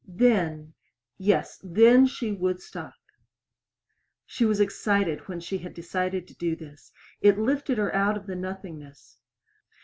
Then yes, then she would stop. She was excited when she had decided to do this. It lifted her out of the nothingness.